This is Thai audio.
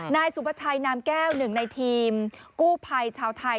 นายสุภาชัยนามแก้วหนึ่งในทีมกู้ภัยชาวไทย